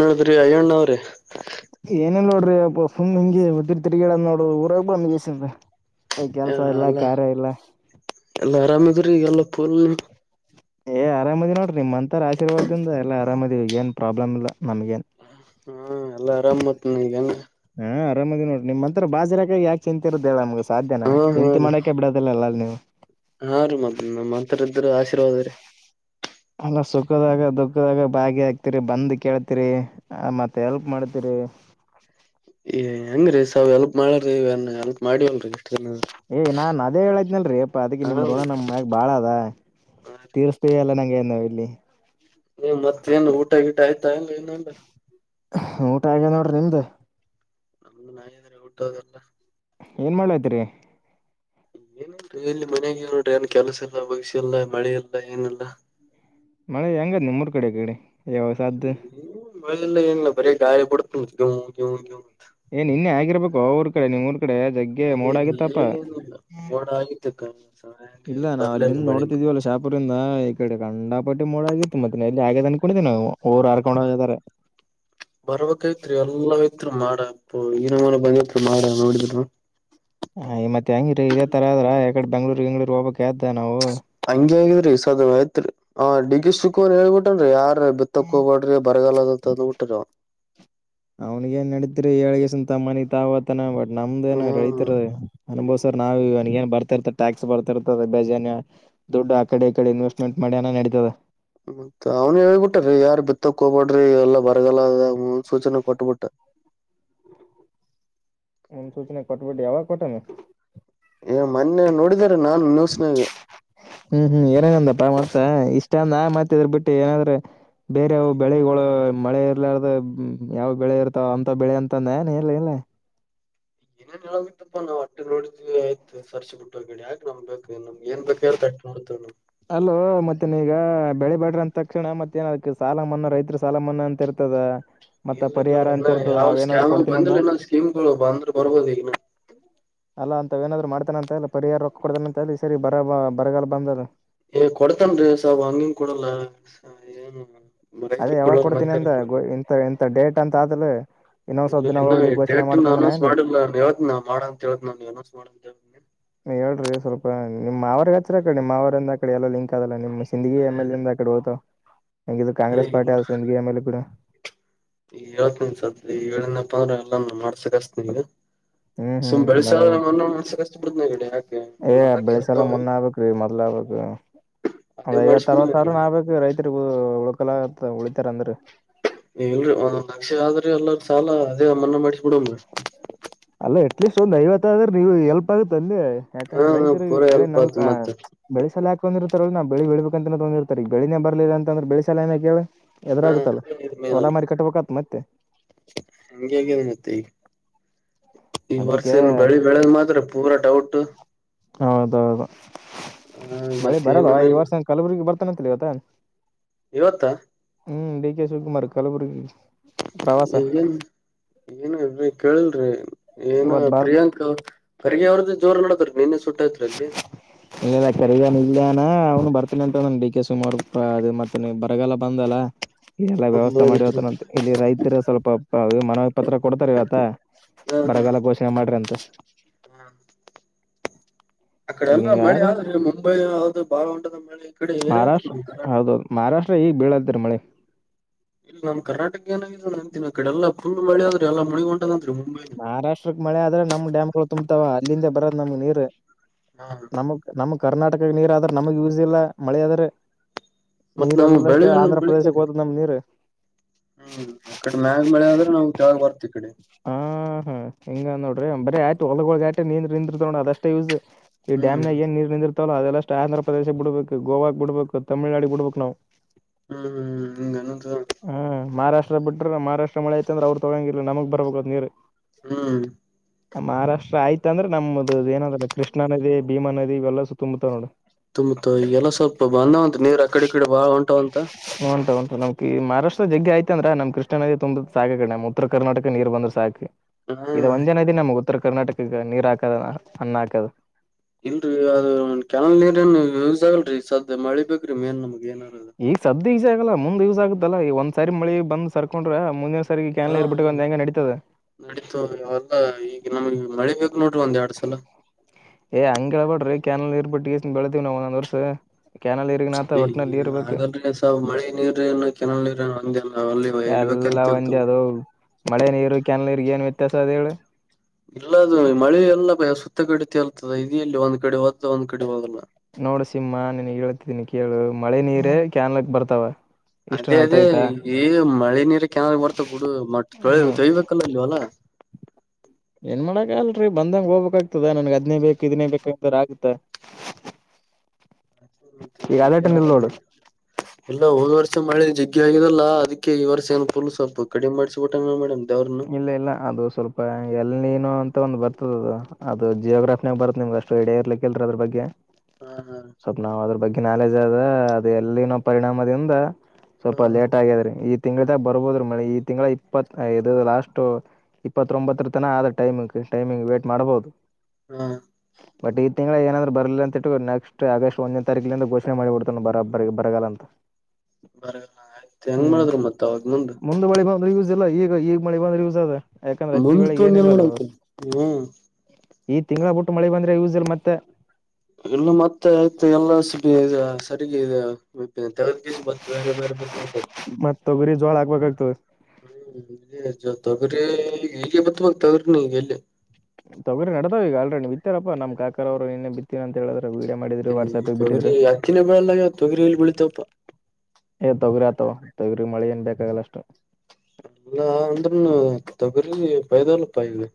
ನೋಡಿದ್ರಿ ಅಯ್ಯಣ್ಣ ಅವ್ರಿ ಏನಿಲ್ಲ ನೋಡ್ರಿ ಸುಮ್ ಹಂಗದಿ ತಿರುಗಿಡ ನೋಡ ಊರಾಗ ಮಗಸನ್ ಕೆಲ್ಸ ಇಲ್ಲ ಅಲ್ಲ ಕಾರಾರ ಇಲ್ಲ ಎಲ್ಲಾ ಆರಾಮ್ದ್ರೀ ಈಗಲ್ಲ ಫುಲ್ ಏ ಆರಾಮದಿ ನೋಡ್ರಿ ನಿಮ್ ಅಂತರ ಆಶೀರ್ವಾದದಿಂದ ಎಲ್ಲಾ ಆರಾಮದಿ ಏನ್ ಪ್ರಾಬ್ಲಮ ಇ ನಮ್ಗಏನ್ ಹಾ ಎಲ್ಲಾ ಆರಾಮ್ ಮತ್ನ್ಗನೆ ಹಾ ಆರಾಮದಿ ನೋಡ್ರ ನಿಮ್ಂತ್ರ ಬಾಜರಾಕೆ ಯಕ ಚಿಂತಿರೋದೇಾ ನಮ್ಗೆಧ್ಯನ ಹಾ ಹಾ ಚಿಂತೆ ರೀ ಮಾಡಕೆ ಬಿಡೋದಿಲ್ಲಲ್ಲ ಅ ನೀವು ಇದ್ರರು ಆಶೀರ್ವಾದ ರೀ ಎಲ್ಲ ಸುಖದಾಗ ದುಃಖದಾಗ ಭಾಗ ಆಕ್ತಿರಿ ಬಂದ ಕೇಳ್ತಿರಿ ಆ ಮತ್ತೆ ಎಲ್ಪ್ ಮಾಡ್ತಿರಿ ಹ ಏ ಹೆಂಗ್ರೀ ಸಾವ್ ಎಲ್ಪ್ ಮಾಡಲ್ರಿಏನ್ ಎಲ್ಪ್ ಮಾಡವಲ್ರರಿ ಏ ನಾನ್ ಅದೇ ಹೇಳದ್ನಲ್ರೀ ಅಪ್ಪ ಅದಕ್ಕೆ ಹಾ ನಿಮ್ ಋಣ ನಮ್ ಮ್ಯಾಗ ಬಾಳ ಅದ ತೀರ್ಸ್ತೀವಿ ಅಲ್ಲ ನಂಗಗೆೇ ನವು ಇಲ್ಲಿ ನೀ ಮತ್ತೇಏನ್ ಊಟ ಗಿಟ ಆಯ್ತಾ ಇಲ್ಲ ಇನು ಊಟ ಹಾಗೆ ನೋಡ್ರಿ ನಿಮ್ದೆ ನಮ ನಿದ್ರೆ ಊಟ ಅದೆಲ್ಲ ಏನ್ ಮಾಡ್ಲತ್ರಿ ಏನ ಇಲ್ಲಿ ಮನಾಗ ನೋಡ್ರಿ ಏನ್ ಕೆಲಸ ಇಲ್ಲ ಭವಿಷ್ಯ ಇಲ್ಲ ಮಳೆ ಇಲ್ಲ ಏನಲ್ಲ ಮಳೆ ಹೆಂಗಾದ್ ನಿಮ ಮೂರ್ ಕಡೆ ಕಡೆ ಯಾವ ಸಾದ್ದು ಮಲ್ಲ ಏನು ಬರ ಗಾಯಿ ಪಡ್ತ ಗವು ಕೆ ಕೆ ಏ ನಿನ್ನೆ ಆಗಿರ್ಬೇಕು ಅವ್ರ ಕಡೆ ನೀವುರು ಡೆ ಜಗ್ಗೆ ಏ ಮೋಡ ಆಗತ್ತಪ್ಪ ಏನಿಲ್ಲ ಮೋಡ ಆಗಿತ್ತು ಸ ಹಂಗೆ ಇಲ್ಲ ನಾವ ಬರ್ಲಿಲ್ಲ ಅಲ್ಲಿಂದ ನೋಡಿದ ಮಳಿನೆ ಇಲ್ಲ ಶಾಪುರಿಂದ ಈ ಕಡೆ ಗಂಡಾಪಟ್ಟಿ ಮೂಳ ಆಗಿತ್ತು ಮತ್ತೆಲ್ಲಿ ಆಗದನ ಕುಡಿದೀವಿ ನಾವು ಊರು ಆರ್ಕೊಂಡು ಹೋಗಾರೆ ಬರ್ಬೇಕೈತ್ರಿ ಎಲ್ಲ ಐತ್ರಿ ಮಾಡಪ್ಪ ಏನ ಮನ ಬಂದತ್ ಮಾಡ ನೋಡಿದ ಹ್ ಮತ್ತೆ ಹೆಂಗರೀ ಇದೇ ತರ ಅದ್ರ ಯಕಡೆ ಬೆಂಗ್ಳೂರ್ ಹೆಂಗಗಳೂರ್ ಹೋಗ್ಬೇಕಕ್ ಯ್ದ ನಾವು ಹಂಗಗೆ ಆಗಿದ್ರಿ ಸದ ಯತ್ರಿ ಆ ಡಿಿಕ್ ಶಿವಕುಾರ್ ಹೇಳ್ಬಿಟನ್ ಯಾರ ಬಿತ್ತಕ್ಕ ಹೋಗಬಡ್ರಿ ಬರಗಲ್ಲದಂತ ಬಿಟ್ಟ್ರ ಅವ ಅವ್ನಿಗಏನ್ ನಡಿತರಿ ಏಳ್ಗೆಸಂತ ಮನ ತಾವತಾನ ಬಟ್ ನಮ್ದ ಏನ ಹ್ಮ್ ರಳತರ ಅನುಬೋ್ ಸರ್ ನಾವವುವ ಏನ್ ಬರ್ತಾರ್ತ ಟ್ಯಾಕ್ಸ್ ಬರ್ತ ಇರ್ತದಜ ದುಡ್ ಆ ಕಡೆ ಈಡೆ ಇನ್ವೆಸ್ಟ್ಮೆಂಟ್ ಮಾಡ ಮಾಡನ ನಡೀತದೆ ಮತ್ತ ಅವ್ನ ಹೇಬಿಟ್ರೀ ಯಾರ್ ಬಿತ್ತಕ್ ಹೋಗಬೇಡ್ರಿ ಎಲ್ಲಾ ಬರಗಲ್ಲದ ಮುನ್ಸೂಚನೆ ಕೊಟ್ಬಿಟ್ಟ [inaudible] ಸುಚನೆ ಕಟಬಡಿಯ ಯವ ಕೊಟ್ಟಾನ ಏ ಮೊನ್ನೆ ನೋಡಿದಾರ ನಾನ್ ನ್ಯಸ್ನಾಗ ಹ್ಮ್ ಹ್ಮ್ ಏನೇನಂದಪ್ಪಾ ಮತ್ತ ಇಷ್ಟ ಅಂದ ಮತ್ತ ಇದ್ರ ಬಿಟ್ಟು ಏನಾದ್ರರು ಬೇರೆವು ಏನೇನು ಬೆಳೆಗಳು ಹೇಳತಿದ್ದ ಮಳೆ ಆದ್ರೆ ಇರ್ಲಾರ್ದ ಹ್ಮ್ ಯಾವ ಬೆಳೆ ಇರ್ತಾವ ಅಂತ ಬೆಳೆ ಅಂತಂದ ಏನ ಎಲ್ಲ ಇಲ್ಲ ಏನೇನ್ ಹೇಳೋಗತ್ತಪ್ಪಾ ನಾವ್ ಅಟ್ಟಿ ನೋಡಿದ್ವಿಯತು ಸರ್ಚ್ ಬಿಟ್ಟು ಗಡೆ ಯಾಕೆ ನಮ್ಬೇಕು ನಮ್ಗೆ ನ್ ಬೇಕ್ರ ತಟ್ಟ ನೋಡ್ತೇವು ಅಲೋ ಮತ್ತೆನ ಈಗ ಬೆಳೆ ಬಾಟ್ ಬಂದ ತಕ್ಷಣ ಮತ್ತೇಏನ ಅದಕ್ ಸಾಲ ಮನ್ನಾ ರೈತರು ಸಾಲ ಮನ್ನಾ ಅಂತ ಇರ್ತದ ಮತ್ತ ಇಲ್ಲ ನ ಪರಿಹಾರ ಅಂತ ಇನ್ನ ಇರ್ತದ ಯಾವ್ ಅವೇನಾದ್ರು ಸ್ಕ್ಯಾಮ ಕೊಡ್ತೀನಿ ಅನ್ನ ಬಂದಿಲ್ಲ ಇನ್ನಾದ್ ಸ್ಕೀಮ್ಗಳು ಬಂದ್ರ ಬರ್ಬಹದ ಈಗನ ಅಲ್ಲಾ ಅಂತ ಏನಾದ್ರು ಮಾಡ್ತಾನ ಅಂತ ಎಲ್ಲ ಪರಿಹಾರ ರೊಕ್ಕ ಕೊಡ್ತಾನ ಅಂತ ಹೇಳ ಸರಿ ಬರ ಬರಗಾಲ ಬಂದ ಏ ಕೊಡ್ತನ್ ಸಾಬ ಹಂಗಿಂಗ ಕೊಡಲ್ಲ ಏ ಅದೇ ಯಾವಾಗ ಕೊಡ್ತೀನಿ ಅಂದ ಗ ಇಂತ ಎಂಂತ ಡೇಟ್ ಅಂತ ಆದಲ್ ಇಲ್ಲ ಇ ಡೇಟ್ ಅನೌನ್ಸ್ ಮಾಡಿಲ್ಲ ಯವತ್ ನ ಮಾಡಂತ ಹೇಳ ನನೌನ್ಸ್ ಮಾಡ ಹೇಳ್ರಿ ಸ್ವಲ್ಪ ನಿಮ್ ಅವ್ರಗ ಹಚ್ಚ್ರ ಅಕಡೆ ನಿಮ್ಮ ಅವರಂದ ಅ ಕಡೆ ಎಲ್ಲ ಲಿಂಕ್ ಅದಲ್ಲ ನಿಮ್ ಸಿಂದಗಿ ಅದೇ ಆಮೇಲಂದ ಅ ಕಡೆ ಹೋತ ಹಂಗಿದ್ರ ಅದೇ ಕಾಂಗೆಸ್ ಪಾರ್ಟಿ ಆದೆ ಸಿಂದಗಿ ಎಮ ಎಲ್ ಕೂಡ ಈ ಏವತ್ ನಿನ್ಸದ ಈ ಏಳನಪ್ಪ ಅಂದ್ರೆ ಎಲ್ಲಾನ ಮಾಡ್ಸಕ್ಸ್ತ ಈಗ ಹ್ಮ್ ಸುಮ್ ಹ್ಮ್ ಬೆಳ್ಸ ಬರಬರ್ ಒಂದೊಂದು್ ಮಾಸ ಕಷ್ಟ ಬಿಡತನ ಗಡಿ ಯಾಕೆ ಒಂದೊಂದ್ ಲಕ್ಷ ಇರ್ತಾವ ಅಂದ ಐವತ್ತ ಬಿಡುನ್ ಅರವತ್ತು ಸಾವರ ಆಕಡೆ. ನಾಕು ರೈತರಿಗೆ ಉಳಕಲ್ಲ ಉಳಿತಾರ ಅಂದ್ರೆ ಇಲ್ರರಿ ಒಂದೊಂದ್ ಲಕ್ಷ ಆದ್ರಿ ಎಲ್ಲಾರ ಸಾಲ ಅದೇ ಅಮನ್ನ ಮಾಡಿಸಬ ಬಿಡ ಅಲ್ಲ ಅಟ್ ಲೀಸ್ಟ್ ಒಂದು ಐವತ್ತ ಆದ್ರ ನೀವು ಎಲ್ಪ್ ಆಗುತ್ತೆ ಅಲ್ಲಿೆ ಹಾ ಯಾಕಂದ್ರೆ ರೈತರು ಪೂರಾ ಬೆಳೆ ಹೆಲ್ಪ್ ಆತ್ ನವಕ ಮತ್ತ ಬೆಳೆಸಲಾ ತಂದಿರ್ತಾರರ ನಾಳ ಬೆಳಬೇಕಂತ ತೊಂದಿತಾರೆ ಈ ಬೆಳೆನೆ ಬರ್ಲಿಲ್ಲ ಅಂದ್ರೆ ಬೆಳಸಲ್ಲಏನ ಕೇಳ ಹಾ ಎದ್ರಾಗತ್ತಲ್ಲ ಹೊಲ ಮೇನಲ್ ಮಾರಿ ಕಟ್ಬೇಕತ್ ಮತ್ತೆ ಹಂಗೆ ಆಗ್ಯದ ಮತ್ತೆ ಈಗ ಈ ವರ್ಷ ಅದಕ್ಕೆ ಏನ್ ಬೆಳಿ ಬೆಳೆದ ಮಾತ್ರ ಪೂರಾ ಡೌಟ್ ಹೌದೌದು ಹ ಬೆಳಿ ಮತ್ತ ಬರಲ್ವಾ ಏನ ಈ ವರ್ಷ ಕಲಬುರ್ಗಿ ಬರ್ತ ಗತ್ತ [unintelligible] ಇವತ್ತಾ ಹ್ಮ್ ಡಿ ಕೆ ಶಿವಕುಮಾರ್ ಕಲಬುರ ಈಗಏನ್ ಏನು ಇಲ್ರಿ ಕೇಳಲ್ರಿ ಏನ ಇವತ್ ಬರ್ ಪ್ರಿಯಾಂಕ ಪರ್ಗೆ ಅವ್ರದ್ದು ಜೋರ ನಡದಾರ ನಿನ್ನ ಸುಟ್ಟಾಯತ್ ಅಲ್ಲಿ ಇಲ್ಲಾನ ಅವ್ನು ಬರ್ತನಿ ಉಂಟು ನನ್ ಡಿ ಕೆ ಶಿವಕುಮಾರ್ ಅ ಮತ್ತ ನೀ ಬರಗಲ್ಲ ಬಂದಲ್ಲ ಎಲ್ಲಾ ವ್ಯವಸ್ಥೆ ಹಾ ಮಾಡಿತ ಇಲ್ಲಿ ರೈತರ ಸ್ವಲ್ಪ ಮನ ಪತ್ರ ಕೊಡ್ತಾರ ಇವತ್ತ ಹಾ ಬರಗೆಲ್ಲ ಘೋಷಣೆ ಮಾಡ್ರಿ ಅಂತ [inaudible] ಅಕಡೆ ಹಿಂಗ ಎಲ್ಲ ಹಿಂಗ ಮಳೆ ಆದ್ರಂತ ಆದ್ರೆ ಮುಂಬೈ ಯ್ದ ಬಾಗಳಹೊಂಡದ ಮಳೆ ಈ ಕಡೆ ಏನಗ ಮಹಾರಾಷ್ಟ್ರ ನಮ್ಮ್ ಕರ್ನಾಟಕ ಹೌದೌದು ಮಹಾರಾಷ್ಟ್ರ ಈಗ್ ಬೀಳತ್ತರಿ ಮಳೆ ಇಲ್ಲ ನಮ್ಮ್ ಕರ್ನಾಟಕ ಏಾಗಿದ ನ ಅಂತಿನ ಕಡೆಲ್ಲಾಲ್ ಮಳೆ ಆದ್ರೆಲ್ಲಾ ಮುಣಗೊಂಡು ಮಹಾರಾಷ್ಟ್ರಕ್ ಮಳೆ ಆದ್ರೆ ನಮ್ ಡ್ಯಾಮ್ಗಳು ತುಂಬ್ತಾವ ಅಲ್ಲಿಂದೆ ಬರದ ನಮಗ್ ನೀರ್ ಹಾ ನಮಗ್ ನಮ್ ಕರ್ನಾಟಕ ನೀರ್ ಆದ್ರೆ ನಮಗ್ ಯೂಸ್ ಇಲ್ಲ ಮಳೆ ಆದ್ರೆ ಮತ್ ನಾವು ನೀರೆಲ್ಲಷ್ಟು ಬೆಳಿನು ಆಂಧ್ರ ಪ್ರದೇಶಕ್ಕೆ ಬೆಳಿತೇವಲ್ಲ ಓತದ್ ನಮ್ ನೀರ್ ಹ್ಮ್ ಅಕಡೆ ಮ್ಯಾಗ ಮಳೆ ಆದ್ರೆ ನಮಗೆ ಕೆೆಳಗ ಬರ್ತ್ತ ಈ ಕಡೆ ಹಾ ಹಾ ಹಿಂಗ ನೋಡ್ರಿ ಬರ ಆಟೆ ಒಳಗ ಒಳಗ ಆಟ ನೀಂದ ನಿಂದ್ರ ತೋ ಅದಷ್ಟೇ ಯೂಸ್ ಈ ಹ್ಮ್ ಡ್ಯಾಮ್ ನಾಗ ಏನ್ ನೀರ್ ನಿಂತಿತ್ತವಲ್ಲ ಅದೆಲ್ಲಷ್ಟು ಆಂಧ್ರಪ ಪ್ರದೇಶಗ್ ಬಿಡ್ಬೇಕು ಗೋವಾಗ ಬ ಬಿಡ್ಬೇಕು ತಮಿಳ್ನಾಡಿಗೆ ಬಿಡ್ಬೇಕು ನಾವು ಹ್ಮ್ ಹ್ಮ್ ಹ್ಮ್ ಹ ಹ್ಮ್ ಮಹಾರಾಷ್ಟ್ರ ಬಿಟ್ರ ಮಾರಾಷ್ಟ್ರ ಮಳೆ ಐತಂದ್ರೆ ಅವ್ರರು ತೊಂಗಿಲ್ಲ ನಮಗ್ ಬರ್ಬೇಕು ಅದ್ ನೀರು ಹ್ಮ್ ಮಹಾರಾಷ್ಟ್ರ ಆಯ್ತ ಅಂದ್ರೆ ನಮ್ದದು ಏನಂದ್ರ ಕೃಷ್ಣಾ ನಿ ಭೀಮಾ ನದ ಇವೆಲ್ಲ ಸು ತುಂಬತಾವ ನೋಡ ತುಂಬತ್ ಈಗೆಲ್ಲ ಸ್ವಲ್ಪ ಬಂದಾವಂತ ನೀರ್ ಅಕಡೆ ಕಡೆ ಬಾಳ ಹೊಂಟವಂತ ಹೊಂಟ ಹೊಂಟ ನಮ್ ಮಹಾರಾಷ್ಟ್ರದ ಜಗ್ಗಯಐತ ಅಂದ್ರ ನ್ ಕೃಷ್ಣ ನದ ತುಂಬ್ ಸಾಕ ಕಡೆ ನಮ್ ಉತ್ತರ ಕರ್ನಾಟಕ ನೀರ್ ಬಂದ್ ಸಾಕೆ ಹಾ ಇದು ಒಂದೇ ನದಿ ನಮ್ಗ್ ಉತ್ತರ ಕರ್ನಾಟಕಗ ನೀರ್ ಹಾಕದ ಅನ್ನ ಹಾಕದು ಇಲ್ರರಿ ಅದು ಕೆಳಲ್ ನೀರ ಏನ್ ಯೂಸ್ ಆಗಲ್ರರಿ ಸದ ಮಳಿ ಬೇಕ್ರೀ ಮೇನ್ ನಮ್ಗ್ ಏನಾರ ಅದು ಈಗ ಸದ್ಯ ಈಸಿ ಆಗಲ್ಲ ಮುಂದ್ ಯೂಸ್ ಆಗುತ್ತಲ್ಲಾ ಈ ಒಂದ್ ಸಾರಿ ಮಳಿ ಬಂದ ಸರ್ಕೊಂಡ್ರೆ ಮುಂದೆ ಹಾ ನಡೀತು ಅವಲ್ಲ ಈಗ ನಮ್ಗೆ ಮಳೆ ಬೇಕು ನೋಡ್ರಿ ಒಂದ್ ಎರಡ್ ಸ ಲ ಎ ಆಂಗ್ ಹೇಳಳ್ಬೇಡ್ರಿ ಕ್ಯಾನಲ್ ಇರ್ಬಟ್ಟಿ ಬೆಳತೇವ ನಾವವು ಒಂದ್ವರ್ಸು ಹ ಹಾಗಾದ್ರೆ ಸ ಮಳೆ ನೀರ ಏನು ಕೆನಲ್ ನೀರ ಒಂದ ಅಲ್ಲಿ ಇ ಎಲ್ಲಾ ಒಂದಿ ಅದು ಮಳೆ ನೀರು ಕೆನರ್ಗ ಏನ್ ವ್ಯತ್ಯಾಸ ಅದ ಹೇಳ ಇಲ್ಲ ಅ ಮಳೆಲ್ಲ ಸುತ್ತ ಕಡೆ ತೇಲ್ತದೆ ಇದಲ್ಲಿ ಒಂದ್ ಕಡೆ ಹದ್ದ ಒಂದ್ ಕಡೆ ಹೋಗಲ್ಲ ನೋಡು ಸಿಂಹ ನೀನ್ಗ್ ಹೇಳ್ತಿದ್ದೀನಿ ಕೇಳು ಮಳೆ ನೀರ ಕ್ಯಾನ್ಲಕ್ ಬರ್ತಾವ ಅದೇ ಇಷ್ಟನ್ ಅರ್ಥ ಅದೇ ಆಯ್ತಾ ಈಗ ಮಳೆ ನೀರ ಕೆನಾರ ಬರ್ತದ ಬಿಡು ಮ ತೊ ಹ್ಮ್ ತೊಯ್ಬೇಕಲ್ಲ ಇಲ್ವಲ್ಲ ಏನ್ ಮಾಡಕಲ್ರರಿ ಬಂದಂಗಗೆ ಹೋಗ್ಬೇಕಾಗ್ತದ ನನ್ಗೆ ಅದ್ನೇ ಬೇಕು ಇದನ್ನೇ ಬೇಕ ಅಂತ ಆಗುತ್ತ ಮತ್ತೆ ಈಗ ಅದೇಟನ್ ಇಲ್ ನೋಡು [unintelligible] ಎಲ್ಲ ಹೋದ ವರ್ಷ ಮಾಡಿದ ಜ ಆಗಿದೆಲ್ಲ ಅದಕ್ಕೆ ಈ ವರ್ಷ ಏ ಫುಲ್ ಸೊಲ್ಪ ಕಡಿಮ ಮಾಡಿಟ್ಟ ಮಾಡ ಇಲ್ಲ ಇಲ್ಲ ಅದು ಸ್ವಲ್ಪ ಎಲ್ಲಿನು ಅಂತ ಒ ಬರ್ತದ ಅದು ಅದು ಜಿಯೋಗ್ರಾಫಿನಾಗ ಬರುತ್ತ ನಿಮ್ ಅಷ್ಟು ಎಡ ಇರ್ಲಿಕ್ಕಲ್ ಅದ್ರ ಬಗ್ಗೆ ಹಾ ಸ್ವಪ್ ನಾವ ಅದ್ರ ಬಗ್ಗೆ ನಾಲೆಜ್ ಆದ ಅದು ಎಲ್ಲಿನೋ ಪರಿಣಾಮದಿಂದ ಸ್ವಲ್ಪ ಹಾ ಲೇಟ್ ಆಗ್ಯಾದ್ರೀ ಈ ತಿಂಗಗಳಿದಾಗ ಬರ್ಬೋದ್ರೀ ಮಳಿ ಈ ತಿಂಗಳ ಇಪ್ಪತ್ ಇ ಲಾಸ್ಟ್ ಇಪ್ಪತ್ತೊಂಬತ್ತರ ತನ ಆದ ಟೈಮಿಂಗ್ ಟೈಮಿಂಗ್ ವೇಟ್ ಮಾಡ್ಬಹುದು ಹ್ಮ ಬಟ್ ಈ ತಿಂಗಳ ಏನಾದ್ರರು ಬರಲಿಲ್ಲ ಅಂತ ಇಟ್ಟು ನೆಕ್ಸ್ಟ್ ಆಗಸ್ಟ್ ಒಂದನೇ ತಾರೀಕಿಂದ ಘೋಷಣೆ ಮಾಡಬಿಡ್ತಾನ ಬರ ಬರಗಲ್ಲ ಅಂತ ಬರ ಆಯ್ತ್ ಹೆಂಗ್ ಹ್ಮ್ ಮಾಡಿದ್ರು ಮತ್ ಅವಾಗ ಮುಂದ್ ಮುಂದ ಬಳಿ ಬಂದ ಈಗ ಈಗ ಮಳಿ ಬಂದ್ರ ಯೂಸ್ ಅದ ಯಾಕಂದ್ರೆ ಅತ್ತ ಮುಂದ್ ವೇಳೆ ಏನ ತೊಂದ್ ಏನ್ ಇಲ್ಲಲ್ಲ ಅವಾಗ ಮಾಡಬೇಕು ಹ್ಮ್. ಈ ತಿಂಗಗಳ ಬಿಟ್ಟು ಮಳೆ ಬಂದ್ರೆ ಯಸ್ಲ್ ಮತ್ತೆ ಎಲ್ಲ ಮತ್ತೆ ಆಯ್ತ ಎಲ್ಲ ಸ ಸರಿರಿಗೆ ಇದೆ ತಗ [unintelligible] ಬೇರೆ ಬೇರೆ ಬತ್ತುವಕಂತ ಮತ್ ತೊಗರಿ ಜೋಳ ಹಾಕ್ಬೇಕಾಗ್ತದೆ ಹ ತಗರಿ ಗಪ್ಪ ಮ [unintelligible] ನೀ ಗಲ್ಲಿ ತೊಗ್ರಿ ನಡತಾವ ಈಗ ಆಲ್ರೆಡಿ ಬಿತ್ತಾರಪ್ಪ ನಮ್ ಕಾಕರ ಅವರುನ್ನೇ ಬಿತ್ತಿನ ಅಂತ ಹೇಳಿದ್ರೆ ಹ್ಮ ತೊಗರಿ ಹತ್ತಿನ ಬಳಲ್ಲ ತೊಗರಿ ಇಲ್ ಬೆಳಿತಪ್ಪಾ ಏ ತಗರಿ ಆತ ತೊಗರಿ ಮಳಿ ಏನ್ ಬೇಕಾಗಲ್ಲ ಅಷ್ಟು ಬರೀ ಪೈದಲ್ಲ [unintelligible]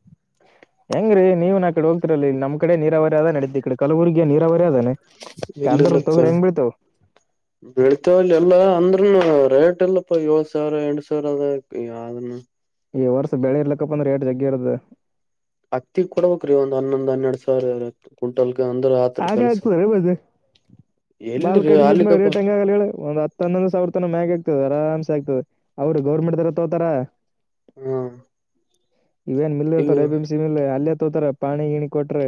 ಹೆಂಗ್ರೀ ನೀವ ನ ಆ ಕಡೆೋಗ್ತಿರಲ್ಲ ನಮ್ಮ ಕಡೆ ನೀರಾವರಿ ಅದ ನಡೀತಿ ಕಬುರಗಿಯ ನೀರಾವರಿ ಅದ ಇಲ್ಲ ಇಲ್ಲತ್ತ ಬೆಳತಾವಲ್ಲ ಎಲ್ಲ ಅಂದ್ರೂನು ರೇಟ್ ಟಲ್ಲಪ್ಪ ಏಳ್ ಸಾವಿರ ಎಂಟ್ ಸಾವಿರ ಅದ ಯಾವ್ದನು ಈ ವರ್ಷ ಬೆಳೆ ಇರ್ಲಕ್ಕಪ್ಪ ಅಂದ್ರೆ ರೈಟ್ ಜಗ್ಗಿ ಇರದ ಹತ್ತಿ ಕೊಡ್ಬೇಕಕ್ ರೀ ಒಂದ್ ಹನ್ನೊಂದು ಹನ್ನೆರಡ್ ಸಾವಿರ ಕ್ವಿಂಟಲ್ ಆಚ ಆತ ಬರ ಬದೆ ಬಾಲ್ ಎಲ್ರಿ ಕಡಿಮಿದ್ಮ್ಯಾಗ ಆಲಿಕಪ್ಪ ರೇಟ್ ಹೆಂಗಾಗಲ್ಲ ಹೇಳ ಒಂದು ಹನ್ನೊಂದು ಸಾವಿರ ತನ ಮ್ಯಾಗ ಆಗ್ತು ಆರಾಮ್ಸೆ ಆಗ್ತು ಅವ್ರು ಗೌರ್ಮೆಂಟ್ ದರ ತೋತಾರ ಹ್ಮ್ ಇವೇನ್ ಮಲ್ ಇರ್ತಲ್ಲ ಎ ಬಿಮ ಸಿ ಮಲ್ ಅಲ್ಲೇ ತೋತಾರ ಪಾಣಿ ಗಣಿ ಕೊಟ್ರೆ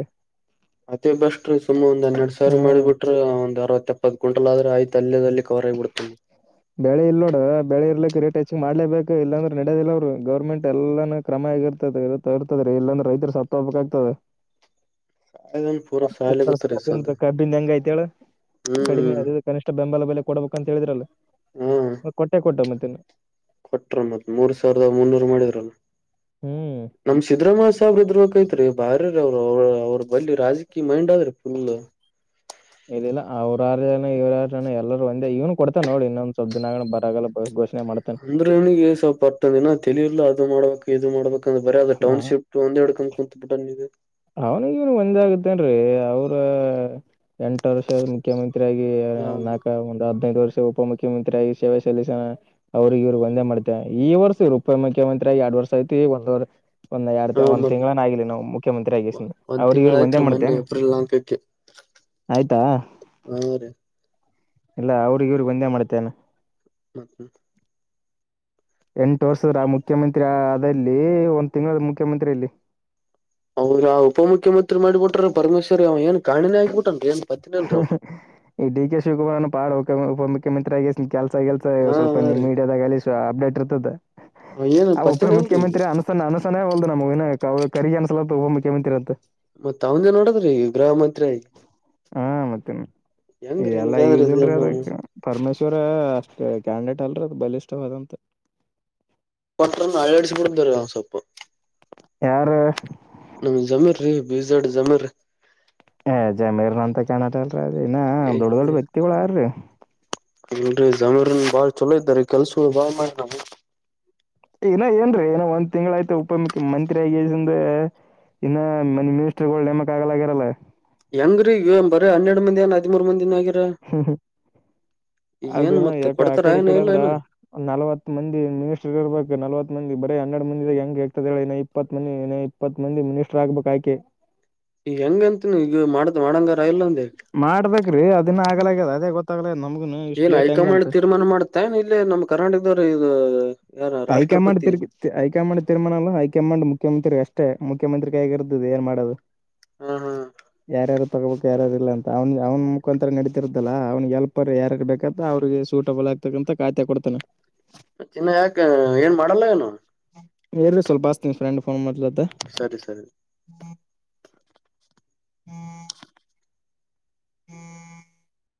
ಅದೇ ಬೆಸ್ಟ್ ಸುಮ್ ಒಂದ್ ಹನ್ನೆರಡ್ ಸಾವಿರ ಹ್ಮ ಮಾಡಿಬ ಬಿಟ್ರ ಒಂದ್ ಅರವತ್ತತ್ಪ್ಪತ್ತು ಕ್ವಿಂಟಲ್ ಆದ್ರೆ ಆಯ್ತ ಅಲ್ಲದಲ್ಲಿ ಕೊರ ಕೊಡ್ತ ಬೆಳೆ ಇಲ್ ನೋಡ ಬೆಳೆ ಇರ್ಲಿಕ್ ರೇಟ್ ಹೆಚ್ಚಗ್ ಮಾಡ್ಲೇಬೇಕು ಇಲ್ಲಾಂದ್ರೆ ನಡೋದಿಲ್ಲ ಅವರು ಗರ್ೆಂಟ್ ಎಲ್ಲಾ ಕ್ರಮ ಆಗಿತ್ತ ಇರ್ತದೆ ಇ ಇರ್ತದೆ ರ ಇಲ್ಲಂದ್ರ ರೈತರು ಸತ ಹೋಗ್ಬೇಕಕ್ ಆಗ್ತದೆ [inaudible] [unintelligible] ಸಾಲ ಗೊತ್ತರಿ ಸದ ಕಬಿ ನೆಂಗಾಯತಳ ಕಡಿಮೆ ಹ್ಮ್ ಆದೆ ಕನಿಷ್ಠ ಬೆಂಬಲ ಬೆಲೆ ಕೊಡಬೇಕು ಅಂತ ಹೇಳಿದ್ರಲ್ಲ ಹಾ ಮ ಕೊಟ್ಟೆ ಕೊಟ್ಟವ ಮತ್ತೆನ್ನು ಕೊಟ್ರ ಮತ್ ಮೂರ್ ಸಾವಿರದ ಮುನ್ನೂರ್ ಮಾಡಿದ್ರಲ್ ಹ್ಮ್ ನಮ್ ಸಿದರಾಮಯ್ಯ ಸಾಬ್ರ ಇದ್ ಕೈತ್ರಿ ಬಾರಿ ರೀ ಅವರು ಅವ ಅವ್ರ ಬಳಿ ರಾಜಕೀಯ ಮೈಂಡ್ ಆದದ್ರಿ ಫುಲ್ ಇಿಲ್ಲ ಅವರಾರ ಜನ ಇವ್ರಾರ ಜನ ಎಲ್ಲರೂ ಒಂದೆ ಇವ್ನು ಕೊಡ್ತಾ ನೋಡಿ ಇನ್ನೊಂದ್ ಸವಬ್್ದ ದಿನ ಬರಲ್ಲೋಷ ಅಂದ್ರೆ ನನಗೆ ಸ್ವಲ್ಪ ಅರ್ತಂದಿನ ತಿಳಿಲ್ಲಾ ಅದು ಮಾಡ್ಬೇಕು ಇದು ಮಾಡ್ಬೇಕು ಬರ ಅಲ್ಲ ಟೌನ್ ಶಿಫ್ಟ ಒಂದ್ ಹಡ ಕ ಕುಂತ್ ಬಿಿಟ್ಟ ಇ ಅವನಿಗ ಇವನ್ ಒಂದ ಆಗತ್ತೇನ್ರಿ ಅವ್ರ ಎಂಟ ವರ್ಷ ಮುಖ್ಯಮಂತ್ರಿ ಆಗಿ ಹ ನಾಲ್ಕ ಒಂದು ಹದ್ಿನೈದು ವರ್ಷ ಉಪಮುಖ್ಯಮಂತ್ರಿ ಆಾಗಿ ಸೇವೆ ಸಲ್ಲಿಸೋಣ ಅವ್ರಿಗೆ ಇವ್ರು ಒಂದೇ ಮಾಡ್ತ ಈ ವರ್ಷ ಇರುಪಿ ಮುಖ್ಯಮಂತ್ರಿ ಆಗ ಎರಡ್ ವರ್ಷ ಐತಿ ಒಂದ್ರ್ ಒಂದ್ ಎರಡ್ ಹ ಒಂದ್ ಮತ್ ತಿಂಗಳನ್ ಆಗಲಿ ನಾವು ಮಂತ್ರಿ ಆಗ ಒಂದ್ ಅವ್ರ ತಿಂಗಳ ಇವ್ರಿಗೆ ಒಂದೇ ಆಯ್ತ್ರಿ ಮೊನ್ನೆ ಮಾಡ್ತೇನು ಏಪ್ರಿಲ್ ನಾಲ್ಕಕ್ಕೆ ಆಯ್ತಾ ಹಾ ರೀ ಇಲ್ಲ ಅವ್ರಗ ಇವ್ರಿಗೆ ಒಂದೇ ಮಾಡ್ತೇನೆ ಮತ್ತ್ಮ ಎಂಟು ವರ್ಷದ್ರ ಮುಖ್ಯಮಂತ್ರಿ ಅಲ್ಲಿ ಒಂದ್ ತಿಂಗಳ ಮುಖ್ಯಮಂತ್ರಿಲ್ಲಿ ಅವ್ರ ಆ ಉಪ ಮುಖ್ಯಮಂತ್ರಿ ಮಾಡ್ಬಿಟ್ರ ಪರೇಶ್ವರಿ ಅವ ಏನ್ ಕಣೆ ಆಗ್ಬಿಟನ್ರಿ ಏನ್ ಪತ್ತಿನ ಅಲ್ರಿ ಅವ ಈ ಡಿ ಕೆ ಶಿವಕುಮಾರ್ನು ಪಾಾರ ಉಪ ಉಪ ಮುುಖ್ಯಮಂತ್ರಿ ಆಗ ಕೆಲ್ಸ ಕೆಲ್ಸ ಹಾ ಸ್ವಲ್ಪ ಹಾ ನಿಮ್ ರೀ ಮೀಡಾದಾಗಲ ಅಪ್ಡೇಟ್ ಇರ್ತದೆ ಏನ್ ಆ ಉಪ ಪತ್ತನ ಅಲ್ರಿ ಈಗ ಮುುಖ್ಯಮಂತ್ರಿ ಅನಸ ಅನಸಾನೇ ಹಲ್ದು ನಮಗಿನ ಕರಿಗ ಅನಸಲಲ್ ಒಬ್ಬ ಮುಖ್ಯಮಂತ್ರಿ ಅಂತ ಮತ್ತತ್ ಅವನ್ಜ ನೋಡದ್ರಿ ಗೃಹ ಮಂತ್ರಿಯ ಹ ಮತ್ತನ್ ಇಲ್ಲಾ ಯಸ್ ಇದ ಇಲ್ರಿ ಅದ ನಮ್ ಪರಮೇಶ್ವರ ಅಷ್ಟ ಕ್ಯಾಂಡಿಡೇಟ್ ಅಲ್ರ ಅದು ಬಲಿಷ್ಠವಂತ ಪಟ್ಟ ಅಳಡ್ಿಸಬಿಡತಾರೆ ಅವನ್ ಸ್ೊಲ್ಪ ಯಾರು ನಮ್ ಜಮೀರ ರೀ ಬೀಜಾಡ್ ಜಮೀರ್ ಏಜಮೀರ್ನ ಅಂತ ಕಾಣಟಲ್ರ ಅ ಇನ್ನ ದೊಡ್ಡ ದೊಡ್ಡ ವ್ಯಕ್ತಿಗಳುಾರರಿ ಅಲ್ರರಿ ಜಮೀರನ್ ಬಾಳ್ ಚಲೋ ಇದ್ದಾರೆ ಕೆಲ್ಸ ಬಾಳ್ ಮಾಡ ನ ಇನ ಏನ್ರೀ ಏನೋ ಒಂದ್ ತಿಂಗ್ಗಳ ಆಯ್ತು ಉಪ ಮುುಖ್ಯಮಂತ್ರಿ ಆಗಂದ ಇನ್ನ ಮನಿ ಮಿನಿಸ್ಟ್ರಗಳು ನೇಮಕ್ ಆಗಲಾಗಿರಲ್ಲ ಹೆಂಗ್ರೀ ಬರ ಹನ್ನೆಡು ಮಂದಿನ ಹದಿಮರು ಮಂದ ದಿನ ಆಗ ಹ್ಮ್ ಹ್ಮ ಅದ ಏನ್ ಮತ್ತ ಯಾಕ ಆ ಕೊಡ್ತಾರ ಕಡೆ ಈ ಏನ ಕಡೆ ಇಲ್ಲ ಅಂದ್ರ ಏನ ನಲ್ವತ್ ಮಂದಿ ಮಿನಿಸ್ಟರ್ ಇರ್ಬೇಕು ನಲ್ವತ್ ಮಂದಿ ಬ ಹನ್ನೆಡ್ ಮಂದಿ ಹೆಂಗಗೆ ಹೇಗ್ತದ ಹೇಳ ಇನ್ನ ಇಪ್ಪತ್ ಮಂದಿ ಇನ್ನ ಇಪ್ಪತ್ ಮಂದಿ ಮಿನಿಸ್ಟರ್ ಆಗ್ಬೇಕು ಆಯಕೆ ಹೆಂಗಂತ ನೀ ಈಗ ಮಾಡ ಮಾಡಂಗಾರ ಇಲ್ಲ ಅಂದ ಈಗ ಮಾಡ್ಬೇಕೇ್ರಿ ಅದನ್ನ ಆಗಲ್ಯ ಅದೇ ಗೊತ್ತಾಗ್ಲ ನಮ ಏನ್ ಹೈಕಮಾಂಡ್ ತೀರ್ಮಾನ ಮಾಡ್ತೇ ಇಲ್ಲಿ ನಮ್ ಕರ್ನಾಟಕದವ್ರರು ಇದು ಯಾರ ಹೈಕಮಾಂಡ್ರ್ ರಾಷ್ಟ್ರಪತಿ ಹೈಕಮಾಂಡ್ ತೀರ್ಮಾನ ಅಲ್ಲ ಹೈಕಮಾಂಡ್ ಮು ಮುಖ್ಯಮಂತ್ರಿ ಅಷ್ಟೇ ಮುಖ್ಯಮಂತ್ರಿ ಕಗಿರದುದು ಏನ್ ಮಾಡೋದು ಹಾ ಹಾ ಯಾರಾರ ಬೇಕು ಯಾರು ಇಲ್ಲ ಅಂತ ಅವ್ ಅವನ ಮುಖಾಂತರ ನಡೀತಿರದಲ್ಲ ಅವ್ನಿಗೆ ಎಲ್ಪರ್ ಯಾರ ಬೇಕಾದ ಅವ್ರಿಗೆ ಸೂಟೆಬಲ್ ಆಗ ತಕ್ಕಂತ ಕಾಯ್ತಾ ಕೊಡ್ತಾನ ಚನ್ನ ಯಾಕ ಏನ್ ಮಾಡಲ್ಲ ಏನು ಎ ಸ್ಲ್ಪಾತನಿ ಫ್ರೆಂಡ್ ೋನ್ ಮಾಡ್ಲ ಸರಿ ಸರಿ [unintelligible] [unintelligible]